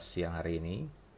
pukul dua belas siang hari ini